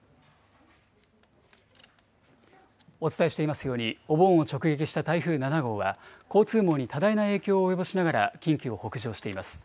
お伝えしていますように、お盆を直撃した台風７号は、交通網に多大な影響を及ぼしながら、近畿を北上しています。